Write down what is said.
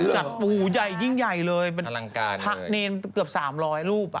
จัดปูใหญ่ยิ่งใหญ่เลยผักเนนเกือบ๓๐๐รูปอะ